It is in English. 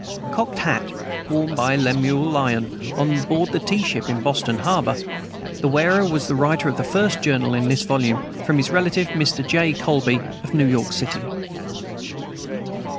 Cocked hat, worn by Lemuel Lyon on board the tea ship in Boston harbor. The wearer was the writer of the first Journal in this volume. From his relative, Mr. J. Colby, of New York city.